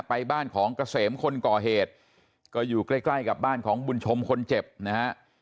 ไปบ้านของเกษมคนก่อเหตุก็อยู่ใกล้ใกล้กับบ้านของบุญชมคนเจ็บนะฮะ